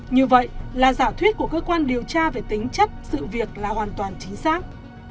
như vậy là giả thuyết của cơ quan điều tra về tính chất sự việc là hoàn toàn chính xác